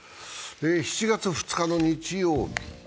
７月２日の日曜日